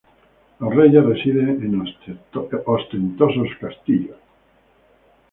Los reyes residen en ostentosos castillos.